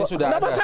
ini sudah ada